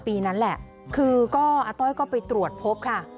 ปีนั้นแหละคือก็อาต้อยก็ไปตรวจพบค่ะ